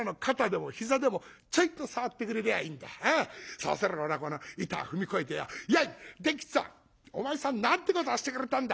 そうすればなこの板踏み越えて『やい！伝吉っつぁんお前さんなんてことをしてくれたんだ！